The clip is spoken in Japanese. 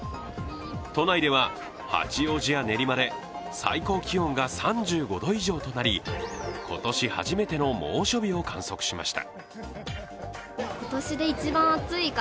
都内では八王子や練馬で最高気温が３５度以上となり、今年初めての猛暑日を観測しました。